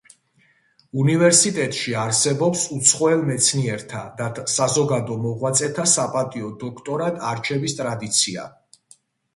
უნივერსიტეტში არსებობს უცხოელ მეცნიერთა და საზოგადო მოღვაწეთა საპატიო დოქტორად არჩევის ტრადიცია.